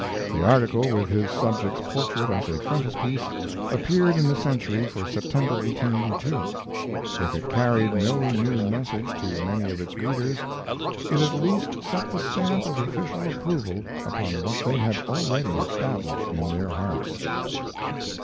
The article, with his subject's portrait as a frontispiece, appeared in the Century for September, 1882. If it carried no new message to many of its readers, it at least set the stamp of official approval upon what they had already established in their hearts.